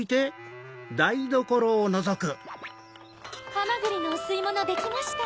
・はまぐりのおすいものできました・・